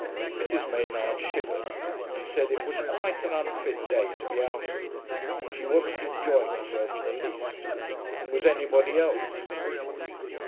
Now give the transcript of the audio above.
Mrs. Maynard shivered, and said it was quite an unfit day to be out in, and she wasn't enjoying herself in the least, and was anybody else?